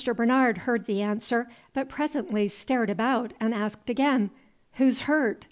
Bernard heard the answer, but presently stared about and asked again, "Who's hurt?